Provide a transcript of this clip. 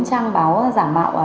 bốn trang báo giả mạo